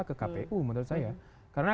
ke kpu menurut saya karena